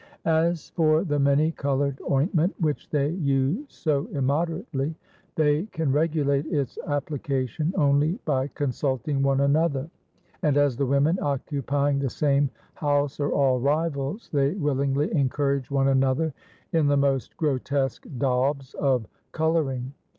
As for the many coloured ointment which they use so immoderately, they can regulate its application only by consulting one another, and as the women occupying the same house are all rivals, they willingly encourage one another in the most grotesque daubs of colouring.